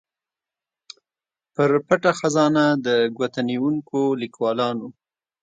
پر پټه خزانه د ګوتنیونکو ليکوالانو